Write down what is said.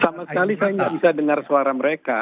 saya sudah dengar suara mereka